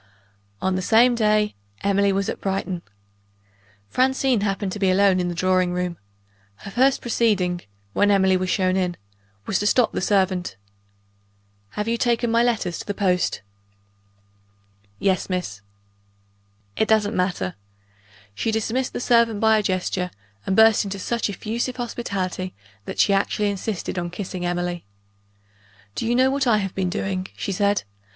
........ On the same day Emily was at Brighton. Francine happened to be alone in the drawing room. Her first proceeding, when Emily was shown in, was to stop the servant. "Have you taken my letter to the post?" "Yes, miss." "It doesn't matter." She dismissed the servant by a gesture, and burst into such effusive hospitality that she actually insisted on kissing Emily. "Do you know what I have been doing?" she said.